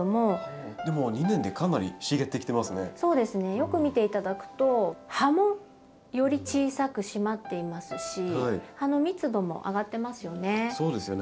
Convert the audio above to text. よく見て頂くと葉もより小さく締まっていますし葉の密度も上がってますよね。